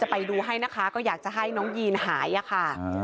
ไปดูให้นะคะก็อยากจะให้น้องยีนหายอะค่ะ